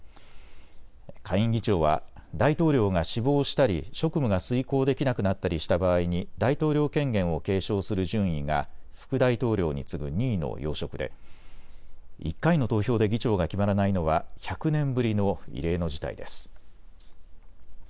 下院議長は大統領が死亡したり職務が遂行できなくなったりした場合に大統領権限を継承する順位が副大統領に次ぐ２位の要職で１回の投票で議長が決まらないのは１００年ぶりの異例の事態です。